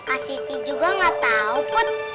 kak siti juga gak tau put